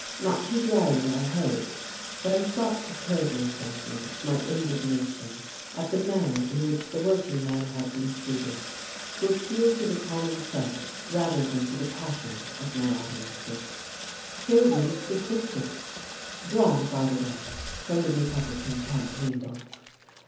Not too dryly, I hope. But I sought to curb my sentiments, my indignation, at the manner in which the working man had been treated; to appeal to the common sense rather than to the passions of my audiences. Here were the statistics! (drawn, by the way, from the Republican Campaign book).